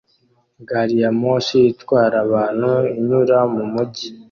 Gari ya moshi itwara abantu inyura mu mujyi